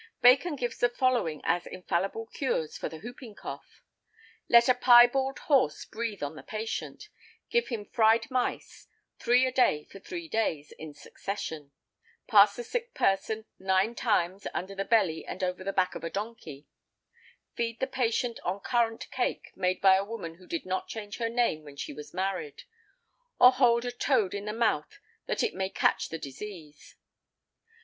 Bacon gives the following as infallible cures for the whooping cough: let a pie bald horse breathe on the patient: give him fried mice, three a day for three days in succession: pass the sick person nine times under the belly and over the back of a donkey: feed the patient on currant cake made by a woman who did not change her name when she was married: or, hold a toad in the mouth that it may catch the disease.